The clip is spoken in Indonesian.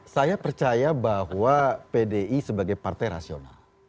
saya percaya bahwa pdi sebagai partai rasional